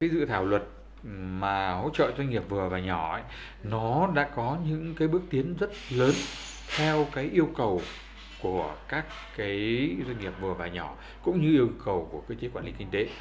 dự thảo luật mà hỗ trợ doanh nghiệp vừa và nhỏ nó đã có những bước tiến rất lớn theo yêu cầu của các doanh nghiệp vừa và nhỏ cũng như yêu cầu của cơ chế quản lý kinh tế